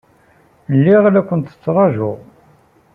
Lliɣ la kent-ttṛajuɣ.